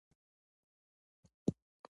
ایا ته د خپلو احساساتو په اړه خبرې کوې؟